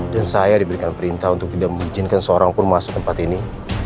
dan saya diberikan perintah untuk tidak memizinkan seorang pun masuk tempat ini